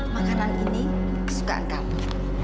makanan ini kesukaan kamu